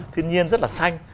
thiên nhiên rất là xanh